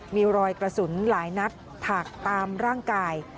มีรอยกระสุนหลายนัดถักตามร่างกาย